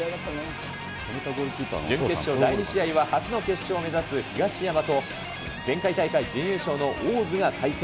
準決勝第２試合は、初の決勝を目指す東山と、前回大会準優勝の大津が対戦。